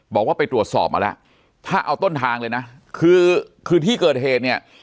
บอกว่าไปตรวจสอบมาแล้วถ้าเอาต้นทางเลยนะคือคือที่เกิดเหตุเนี่ย